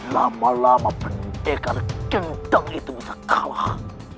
lama lama pendekar gendeng itu bisa kalah